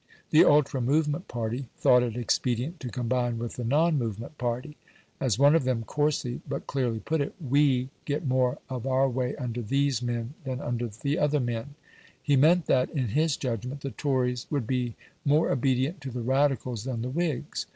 The ultra movement party thought it expedient to combine with the non movement party. As one of them coarsely but clearly put it, "WE get more of our way under these men than under the other men"; he meant that, in his judgment, the Tories would be more obedient to the Radicals than the Whigs.